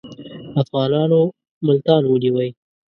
افغانانو ملتان ونیوی.